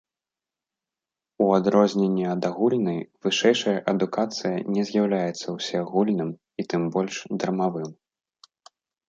У адрозненні ад агульнай, вышэйшая адукацыя не з'яўляецца ўсеагульным і тым больш дармавым.